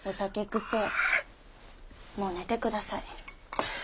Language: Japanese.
もう寝てください。